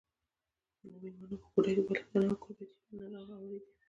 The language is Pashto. د مېلمنو په کوټه کي بالښتان او کوربچې منظم هواري دي.